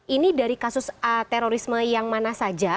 ini dari kasus terorisme yang mana saja